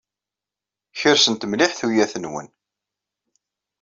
Kersent mliḥ tuyat-nwen.